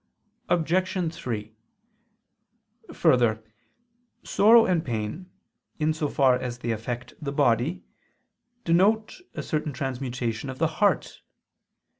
Obj. 3: Further, sorrow and pain, in so far as they affect the body, denote a certain transmutation of the heart.